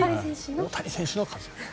大谷選手の活躍。